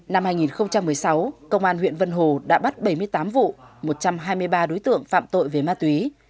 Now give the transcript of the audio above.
năm hai nghìn một mươi sáu công an huyện vân hồ đã bắt bảy mươi tám vụ một trăm hai mươi ba đối tượng phạm tội về ma túy